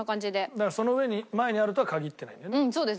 だからその上に前にあるとは限ってないんだよね。